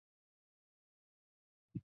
北宋名将高琼之妻。